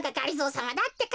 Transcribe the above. さまだってか。